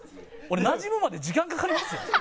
俺なじむまで時間かかりますよ。